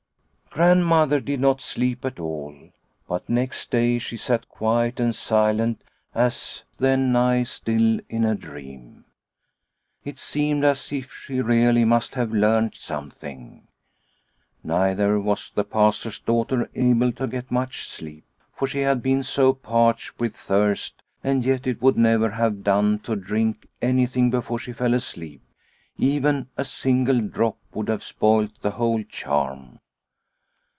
Grandmother did not sleep at all, but next day she sat quiet and silent as thonigh still in a dream ; it seemed as if she rea ly must have learnt something. Neither was the Pastor's daughter able to get much sleep, for she had been so parched with thirst, and yet it would never have done to drink anything before she fell asleep even a single drop would have spoilt the whole charm.